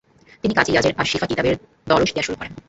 তিনি কাযি ইয়াজের আশশিফা কিতাবের দরস দেয়া শুরু করেন।